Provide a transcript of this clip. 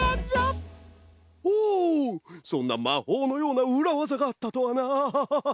そんなまほうのようなうらわざがあったとはなハハハ。